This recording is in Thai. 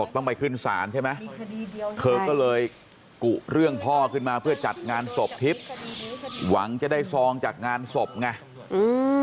เธอก็เลยกุเรื่องพ่อขึ้นมาเพื่อจัดงานศพฤทธิ์หวังจะได้ซองจากงานศพไง